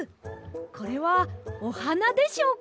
これはおはなでしょうか？